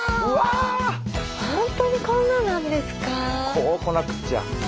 こうこなくっちゃ。